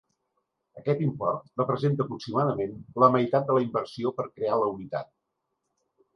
Aquest import representa aproximadament la meitat de la inversió per crear la unitat.